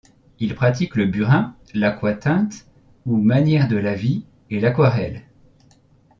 Il pratique le burin, l'aquatinte ou manière de lavis, et l'aquarelle.